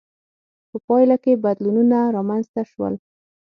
په پایله کې بدلونونه رامنځته شول.